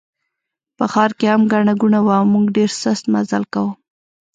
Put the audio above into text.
په ښار کې هم ګڼه ګوڼه وه او موږ ډېر سست مزل کاوه.